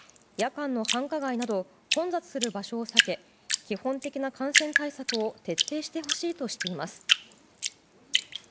夜間の繁華街など混雑する場所を避け基本的な感染対策を徹底してほしいとしています。